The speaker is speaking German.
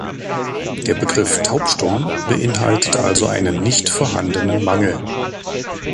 Der Begriff „taubstumm“ beinhaltet also einen nicht vorhandenen Mangel.